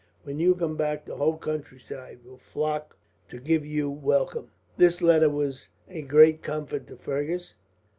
When you come back the whole countryside will flock to give you welcome." This letter was a great comfort to Fergus.